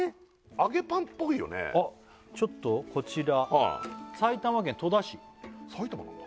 揚げパンっぽいよねあっちょっとこちらはい埼玉県戸田市埼玉なんだ？